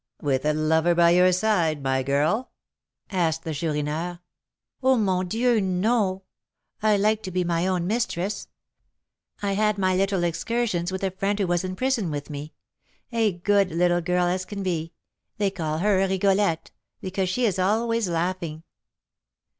"With a lover by your side, my girl?" asked the Chourineur. "Oh, mon Dieu! no! I like to be my own mistress. I had my little excursions with a friend who was in prison with me, a good little girl as can be: they call her Rigolette, because she is always laughing."